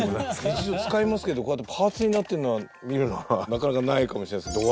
日常で使いますけどこうやってパーツになってるのを見るのはなかなかないかもしれないです。